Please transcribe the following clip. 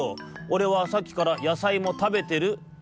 おれはさっきからやさいもたべてるつもり」。